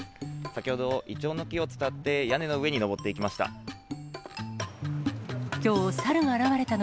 先ほど、イチョウの木を使って、屋根の上に登っていきました。